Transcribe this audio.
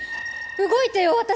動いてよ私！